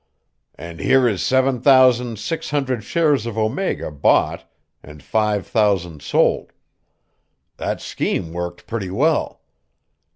"And here is seven thousand six hundred shares of Omega bought and five thousand sold. That scheme worked pretty well.